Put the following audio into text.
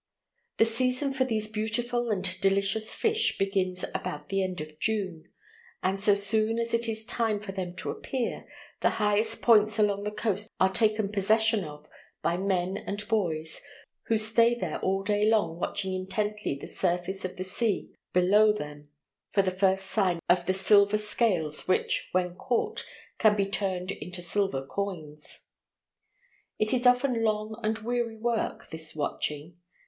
The season for these beautiful and delicious fish begins about the end of June, and so soon as it is time for them to appear, the highest points along the coast are taken possession of by men and boys, who stay there all day long watching intently the surface of the sea below them for the first sign of the silver scales which, when caught, can be turned into silver coins. It is often long and weary work this watching.